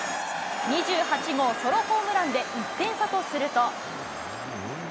２８号ソロホームランで、１点差とすると。